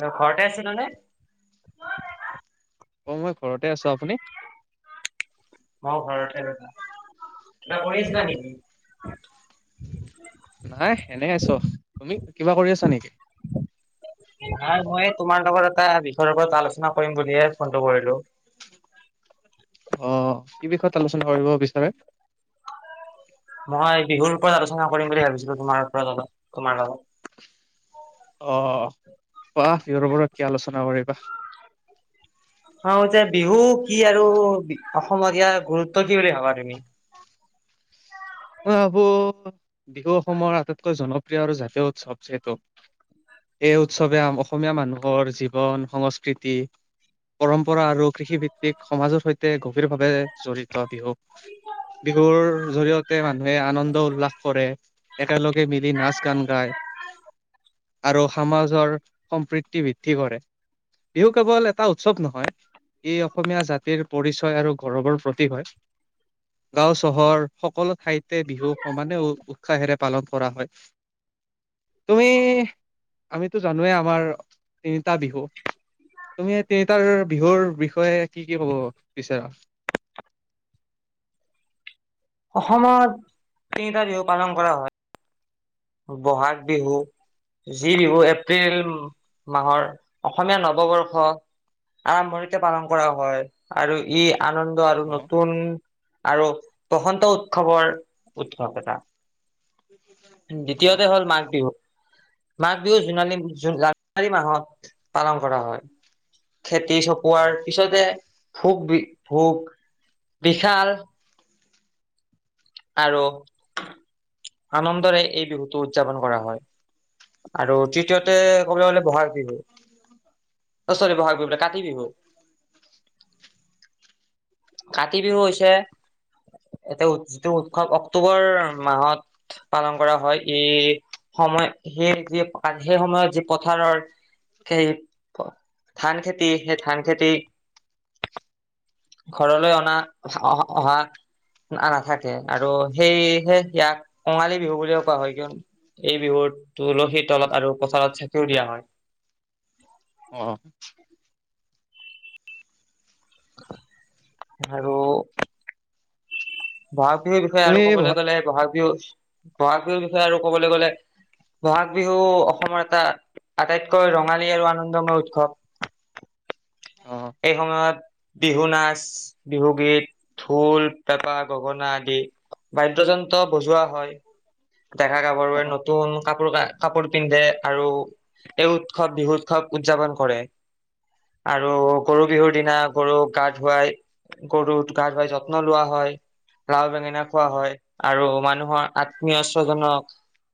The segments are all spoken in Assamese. আৰু ঘৰতে আছিল নে? অ', মই ঘৰতে আছো আপুনি? মই ঘৰতে কৰি আছিলা নেকি? নাই সেনে আছ তুমি কিবা কৰি আছা নেকি! নাই মই তোমাৰ লগৰ এটা বিষয়ৰ ওপৰত আলোচনা কৰিম বুলিয়ে ফোনটো কৰিলো। [inaudible] অঁ কি বিষয়ত আলোচনা কৰিব বিচাৰে? মই বিহুৰ পৰা আলোচনা কৰিম বুলি ভাবিছিলো তোমাৰ পৰাল তোমাৰ লগত। অঁ বাহ বিৰ বৰত কি আলোচনা কৰিবা। অঁ যে বিহু কি আৰু অসমত ইয়াৰ গুৰুত্ব কি বুলি ভাবা তুমি মই ভাবো বিহু অসমৰ আটাইতকৈ জনপ্ৰিয় আৰু জাতীয় উৎসৱ যিহেতু এই উৎসৱে আম অসমীয়া মানুহৰ জীৱন সংস্কৃতি পৰম্পৰা আৰু কৃষি ভিত্তিক সমাজৰ সৈতে গভীৰ ভাৱে। জড়িত বিহু বিহুৰ জৰিয়ত। তে মানুহে আনন্দ উল্লাস কৰে একেলগে মিলি নাচ গান গায়। আৰু সমাজৰ সম্প্ৰীতি বৃদ্ধি কৰে। বিহু কেৱল এটা উৎসৱ নহয়। ই অসমীয়া জাতিৰ পৰিচয় আৰু গৌৰৱৰ প্ৰতীক হয়। গাঁও চহৰ সকলো ঠাইতে বিহু সমানে উৎসাহেৰে পালন কৰা হয়। তুমি আমিতো জানোৱে আমাৰ তিনিটা বিহু। তুমি তিনিটাৰ বিহুৰ বিষয়ে কি-কি কব বিচাৰা? অসমত তিনিটা দিহু পালন কৰা হয়। ব'হাগ বিহু যি বিহু এপ্ৰিল মাহৰ অসমীয়া নৱবৰ্ষ আৰম্ভণিতে পালন কৰা হয় আৰু ই আনন্দ আৰু অ নতুন আৰু বসন্ত উৎসৱৰ-উৎসৱ এটা। অ দ্বিতীয়তে হ'ল মাঘ বিহু। মাঘ বিহু জোনালী জ জানুৱাৰী মাহত পালন কৰা হয়। খেতি অ চপোৱাৰ পিছতে ভোগ বি ভোগ বিশাল আৰু আনন্দৰে এই বিহুটো উদযাপন কৰা হয়। আৰু তৃতীয়তে ক'বলৈ গ'লে বহাগ বিহু। অ, চৰি বহাগ বিহু বোলে কাতি বিহু। কাতি বিহু হৈছে? এতি যিটো উৎসৱ অক্টোবৰ মাহত পালন কৰা হয় ই সময় সেই যে সেই সময়ত যি পথাৰৰ সেই ধান খেতি সেই ধান খেতি। ঘৰলৈ অনা অ, অহা নাথাকে আৰু সেইয়েহে ইয়াক কঙালী বিহু বুলিও কোৱা হয় কিয়নো এই বিহুত তুলসীত তলত আৰু পথাৰত চাকিও দিয়া হয়। অহ', আৰু বহাগ বিহুৰ বিষয়ে তুমি আৰু ভ ক'বলৈ গ'লে বহাগ বিহু, বহাগ বিহুৰ বিষয়ে আৰু ক'বলৈ গ'লে বহাগ বিহু অসমৰ এটা আটাইতকৈ ৰঙালী আৰু আনন্দময় উৎসৱ। অ অ এই সময়ত বিহু নাচ, বিহু গীত, ঢোল, পেপাক গগনা আদি বাদ্যযন্ত্ৰ বজোৱা হয়। ডেকা গাভৰুৱে অ নতুন কাপোৰ ক কাপোৰ পিন্ধে আৰু এই উৎসৱ বিহু উৎসৱ উদযাপন কৰে। আৰু অ গৰু বিহুৰ দিনা গৰুক গা ধুৱাই গৰু গা ধুৱাই যত্ন লোৱা হয়। লাও বেঙেনা খোৱা হয় আৰু মানুহৰ আত আত্মীয়স্বজনক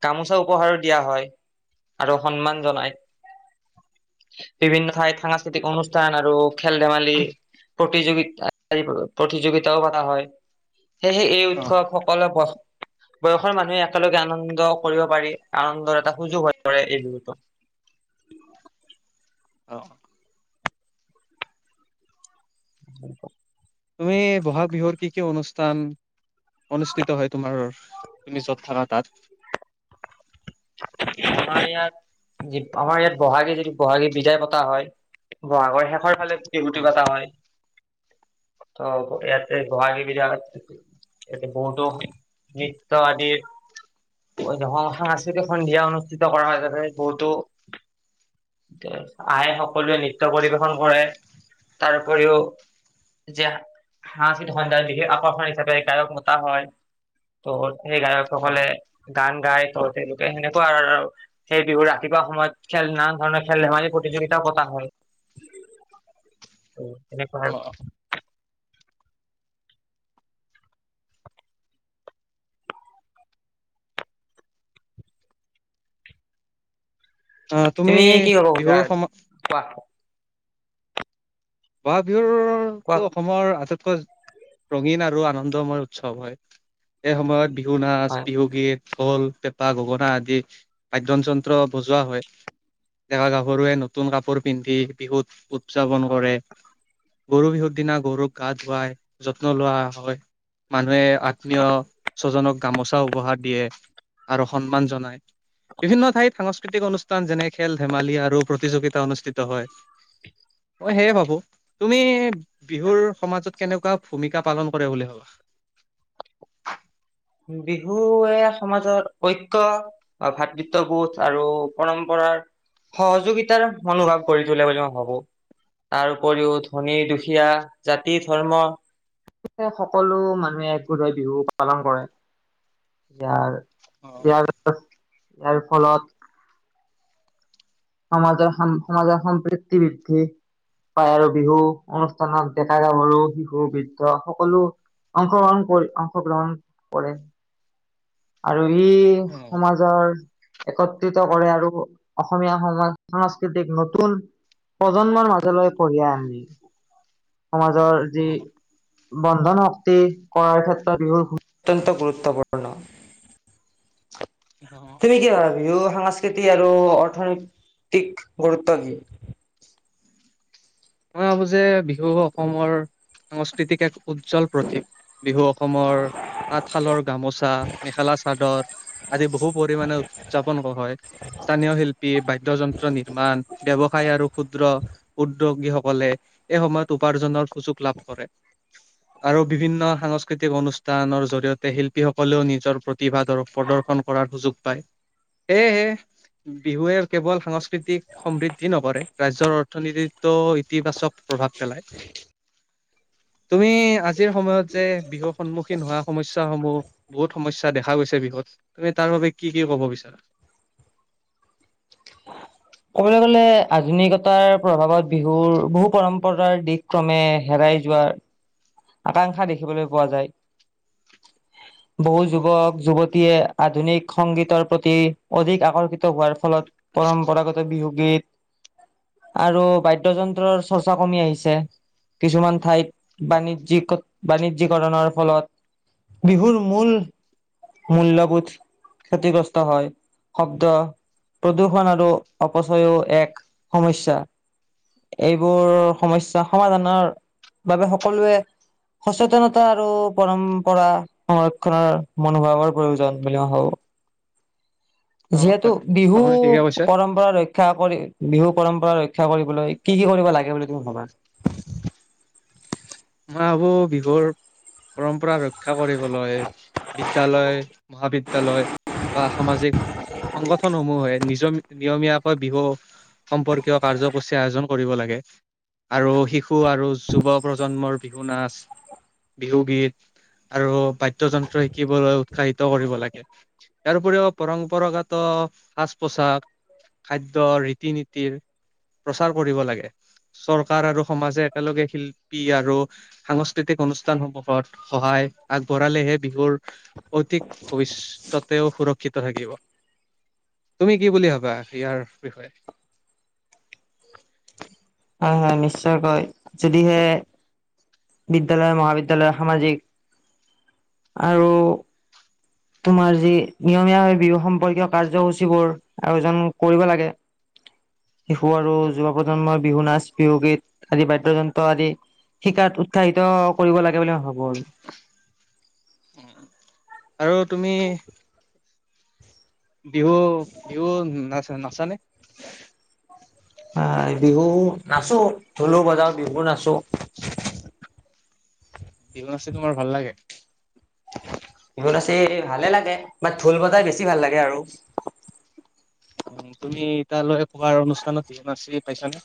গামোচা উপহাৰো দিয়া হয় আৰু সন্মান জনাই। বিভিন্ন ঠাইত সাংস্কৃতিক অনুষ্ঠান আৰু খেল ধেমালি প্ৰতিযোগিতা। প্ৰতিযোগিতাও পতা হয় সেয়েহে এই উৎসৱত অ সকলোৱে বয়সৰ মানুহে একেলগে আনন্দ কৰিব পাৰি, আনন্দৰ এটা সুযোগ হৈ পৰে এই বিহুতো। [inaudible] অ- অ। [inaudible] তুমি বহাগ বিহুৰ কি - কি অনুষ্ঠান অনুষ্ঠিত হয় তোমাৰ তুমি যত থাকা? তাত আমাৰ ইয়াত আমাৰ ইয়াত বহাগী যদি বহাগী বিদায় পতা হয়। বহাগৰ শেষৰ ফালে অ খুটি পতা হয়। ত' ইয়াতে বহাগী [unintelligible] এতে বহুতো নৃত্য আদিৰ সাংস্কৃতি আছে। সন্ধিয়া অনুষ্ঠিত কৰা হয় তাতে বহুতো আহে সকলোৱে নৃত্য পৰিবেশন কৰে তাৰ উপৰিও যে সাংস্কৃতিক সন্ধিয়াৰ বিশেষ আকৰ্ষণ হিচাপে গায়ক মতা হয়। সেই অ গায়কসকলে গান গায় ত সেনেকুৱা আৰু সেই বিহু ৰাতিপুৱা সময়ত খেল নানান ধৰণৰ খেল ধেমালি প্ৰতিযোগিতাও পতা হয়। [unintelligible] তেনেকুৱা আৰু অ', তুমি কি কৰি খোজা বিহুৰ আজি সম কোৱা? বহাগ কোৱা বিহুৰটো অসমৰ আটাইতকৈ ৰঙীন আৰু আনন্দময় উৎসৱ হয় এই সময়ত বিহু নাচ, হয় বিহু গীত ঢোল, পেঁপা, গগনা আদি বাদ্য যন্ত্ৰ বজোৱা হয়। ডেকা গাভৰুৱে নতুন কাপোৰ পিন্ধি বিহুত উদযাপন কৰে। গৰু বিহুৰ দিনা গৰুক গা ধুৱাই যত্ন লোৱা হয়। মানুহে আত্মীয় স্বজনক গামোচা উপহাৰ দিয়ে। আৰু সন্মান জনাই। বিভিন্ন ঠাইত সাংস্কৃতিক অনুষ্ঠান যেনে খেল ধেমালি আৰু প্ৰতিযোগিতা অনুষ্ঠিত হয়। মই সেয়ে ভাবো তুমি বিহুৰ সমাজত কেনেকুৱা ভূমিকা পালন কৰে বুলি ভবা? [unintelligible] বিহুৱে সমাজৰ ঐক্য আৰু ভাতৃত্ববোধ আৰু পৰম্পৰা সহযোগিতাৰ মনোভাৱ গঢ়ি তোলে বুলি মই ভাবো। তাৰ উপৰিও ধনী-দুখীয়া জাতি-ধৰ্ম সকলো মানুহে একগোট হৈ বিহু পালন কৰে। ইয়াৰ অ', ইয়াৰ ইয়াৰ ফলত সমাজৰ সম সমাজৰ সম্প্ৰীতি বৃদ্ধি পায় আৰু বিহু অনুষ্ঠানত ডেকা-গাভৰু, শিশু, বৃদ্ধ সকলো অংশগ্ৰহণ কৰি অংশগ্ৰহণ কৰে আৰু আৰু ই অ', সমাজৰ একত্ৰিত কৰে আৰু অসমীয়া সমাজ সাংস্কৃতিক নতুন প্ৰজন্মৰ মাজলৈ কঢ়িয়াই আনে। সমাজৰ যি অ', বন্ধন শক্তি কৰাৰ ক্ষেত্ৰত বিহু অত্যন্ত গুৰুত্বপূৰ্ণ। অ', তুমি কি ভাবা ভীগু? সাংস্কৃতি আৰু অৰ্থনৈতিক গুৰুত্ব কি? মই ভাবো যে বিহু অসমৰ সাংস্কৃতিক এক উজ্জ্বল প্ৰতীক। বিহু অসমৰ তাঁতশালৰ গামোচা, মেখেলা চাদৰ আদি বহু পৰিমাণে উদযাপন কৰা হয়। স্থানীয় শিল্পী বাদ্যয় যন্ত্ৰ নিৰ্মাণ ব্যৱসায় আৰু ক্ষুদ্ৰ উদ্যোগীসকলে এই সময়ত উপাৰ্জনৰ সুযোগ লাভ কৰে হয় [unintelligible] আৰু বিভিন্ন সাংস্কৃতিক অনুষ্ঠানৰ জৰিয়তে শিল্পীসকলেও নিজৰ প্ৰতিভাদ প্ৰদৰ্শন কৰা সুযোগ পায় সেয়েহে বিহুৱে কেৱল সাংস্কৃতিক সমৃদ্ধি নকৰে ৰাজ্যৰ অৰ্থনীতিটো ইতিবাচক প্ৰভাৱ পেলাই। তুমি আজিৰ সময়ত যে বিহু সন্মুখীন হোৱা সমস্যা স্যা সমূহ বহুত সমস্যা দেখা গৈছে বিহুত, তুমি তাৰ বাবোবে কি কি ক'ব বিচাৰা? অ [unintelligible] ক'বলৈ গ'লে আধুনিকতাৰ প্ৰভাৱত বিহুৰ বহু পৰম্পৰাৰ দিশ ক্ৰমে হেৰাই যোৱা আকাংক্ষা দেখিবলৈ পোৱা যায় বহু অ', যুৱক যুৱতীয়ে আধুনিক সংগীতৰ প্ৰতি অধিক আকৰ্ষিত হোৱাৰ ফলত পৰম্পৰাগত বিহু গীত আৰু বাদ্যযন্ত্ৰৰ চৰ্চা কমি আহিছে কিছুমান ঠাইত অ', বাণিজ্যিক বাণিজ্যিককৰণৰ ফলত বিহুৰ মূল মূল্যবোধ ক্ষতিগ্ৰস্ত হয়, শব্দ অ', প্ৰদূষণ আৰু অপচয়ও এক সমস্যা। এইবোৰ সমস্যা সমাধানৰ বাবে সকলোৱে সচেতনতা আৰু পৰম্পৰা সংৰক্ষণৰ মনোভাৱৰ প্ৰয়োজন বুলি মই ভাবো। অ', যিহেতু হয়। বিহু আপুনি ঠিকে কৈছে পৰম্পৰা ৰক্ষ ৰক্ষা কৰি বিহু পৰম্পৰা ৰক্ষা কৰিবলৈ কি কি কৰিব লাগে বুলি তুমি ভাবা? মই ভাবো বিহুৰ পৰম্পৰা ৰক্ষ শিক্ষা কৰিবলৈ বিদ্যালয়, মহাবিদ্যালয় বা সামাজিক সংগঠনসমূহে নিজ নিয়মীয়াকৈ বিহু সম্পৰ্কীয় কাৰ্যসূচী আয়োজন কৰিব লাগে। আৰু শিশু আৰু যুৱ প্ৰজন্মৰ বিহু নাচ বিহুগীত আৰু বাদ্যযন্ত্ৰ শিকিবলৈ উৎসাহিত কৰিব লাগে। ইয়াৰ উপৰিও পৰম্পৰাগত সাজ- পোচাক, খাদ্য, ৰীতি-নীতিৰ প্ৰচাৰ কৰিব লাগে, চৰকাৰ আৰু সমাজে একেলগে শিল আৰু সাংস্কৃতিক অনুষ্ঠানসমূহত সহায় আগবঢ়ালেহে বিহুৰ ভৱিষ্যতেও সুৰক্ষিত থাকিব। [unintelligible] তুমি কি বুলি ভাবা, ইয়াৰ বিষয়ে হয়, হয় নিশ্চয়কৈ যদিহে বিদ্যালয়-মহাবিদ্যালয় সামাজিক আৰু তোমাৰ যি নিয়মীয়াভাৱ বিহু সম্পৰ্কীয় কাৰ্যসূচীবোৰ আয়োজন কৰিব লাগে। শিশু আৰু অ যুৱ প্ৰজন্মৰ বিহুনাচ, বিহুগীত আদি বাদ্যযন্ত্ৰ আদি। শিকাত উৎসাহিত কৰিব লাগে বুলি মই ভাবো আৰু। আৰু তুমি বিহু, বিহুনাচ নাচানে। [unintelligible] অ, ' বিহু নাচো ঢোলো বজাও বিহু নাচো। বিহু নাচি তোমাৰ ভাল লাগে। বিহুনাচি ভালে লাগে, বাত ঢোল বজাই বেছি ভাল লাগে আৰু [unintelligible] উম, তুমি তালৈ পোৱাৰ অনুষ্ঠানত বিহু নাচি পাইছানে।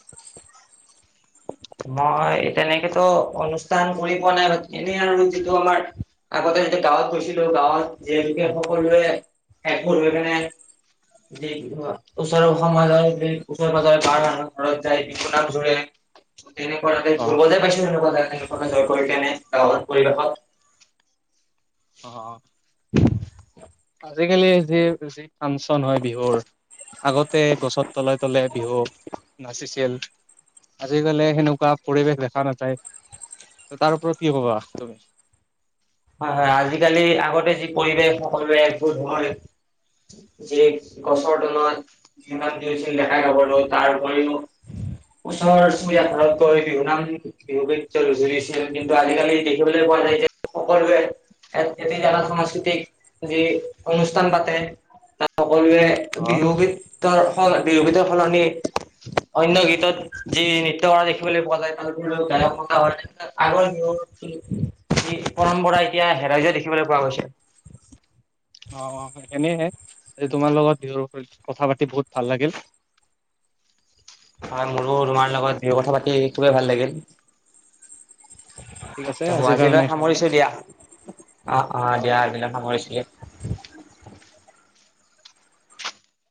মই তেনেকেতো অনুষ্ঠান কৰি পোৱা নাই, এনেই আৰু যিটো আমাৰ আগতে যে গাঁৱত গৈছিলো, গাঁৱত যেতে সকলোৱে একবোৰ হৈ কেনে, ওচৰ ও সমাজৰ ওচৰে পাজাৰ [unintelligible] ঘৰত যায় বিহুনাম যোৰে। তেনে কৰা কে ঢোল অ', বজাই পাইছোঁ সেনেকুৱাকে। [unintelligible] পৰিৱেশত। অ, ' আজিকালি যি, যি ফাংচন হয় বিহুৰ। আগতে গছত তলে তলে বিহু নাচিছিল। আজিকালি সেনেকুৱা পৰিৱেশ দেখা নাযায়। তাৰওপৰত কি কবা তুমি? হয়, হয় আজিকালি আগতে যি পৰিৱেশ সকল এক যে গছৰ তলত [unintelligible] ডেকা - গাভৰু আৰু তাৰপৰিও ওচৰ চুবুৰীয়া ঘৰত গৈ বিহুনাম, বিহুগীত জুৰিছিল, কিন্তু আজিকালি দেখিবলৈ পোৱা নাই। [unintelligible] সকলোৱে [unintelligible] সাংস্কৃতিক যি অনুষ্ঠান পাতে। সকলোৱে অ', বিহু গীতৰ সল, বিহু গীতৰ সলনি। অন্য গীতত যি নৃত্য কৰা দেখিবলৈ পোৱা যায়, তাৰোপৰিও গায়ক মতা হয়। আগৰ পৰম্পৰা এতিয়া হেৰাই যোৱা দেখিবলৈ পোৱা গৈছে। অ, অ সেইখিনে তোমাৰ লগত বিহু ওপৰত কথা পাতি বহুত ভাল লাগিল। [unintelligible] হয়, মোৰো তোমাৰ লগত কথা বিহু পাতি খুবেই ভাল লাগিল। ঠিক আছে ত আজিৰ কাৰণে আজিলৈ এইখিনিয়ে সামৰিছো দিয়া। অ, অ, দিয়া আজিলৈ সামৰিছোঁ দিয়া।